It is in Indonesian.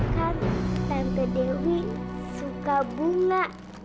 kan tempe dewi suka bunga